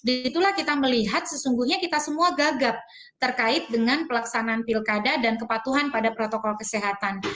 itulah kita melihat sesungguhnya kita semua gagap terkait dengan pelaksanaan pilkada dan kepatuhan pada protokol kesehatan